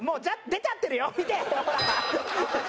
出ちゃってるよ。